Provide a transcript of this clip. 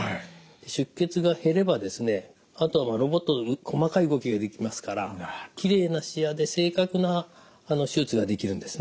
あとはロボット細かい動きができますからきれいな視野で正確な手術ができるんですね。